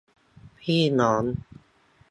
พี่น้อง